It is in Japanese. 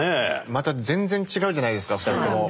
また全然違うじゃないですか２つとも。